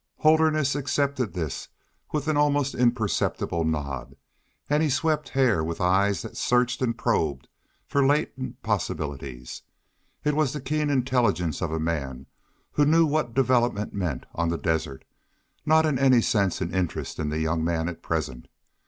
Holderness accepted this with an almost imperceptible nod, and he swept Hare with eyes that searched and probed for latent possibilities. It was the keen intelligence of a man who knew what development meant on the desert; not in any sense an interest in the young man at present.